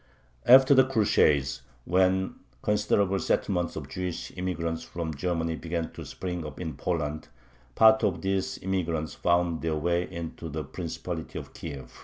After the Crusades, when considerable settlements of Jewish immigrants from Germany began to spring up in Poland, part of these immigrants found their way into the Principality of Kiev.